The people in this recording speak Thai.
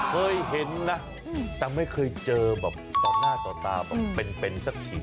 เคยเห็นนะแต่ไม่เคยเจอแบบต่อหน้าต่อตาแบบเป็นสักที